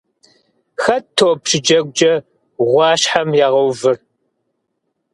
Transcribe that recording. Хэт топ щыджэгукӀэ гъуащхьэм ягъэувыр?